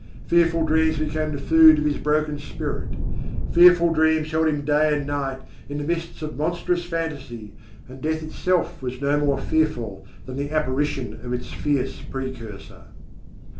Fearful dreams became the food of his broken spirit. Fearful dreams held him day and night in the mists of monstrous fantasy, and death itself was no more fearful than the apparition of its fierce precursor.